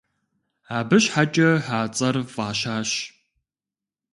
Абы щхьэкӀэ а цӀэр фӀащащ.